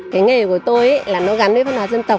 cái nghề của tôi là nó gắn với văn hóa dân tộc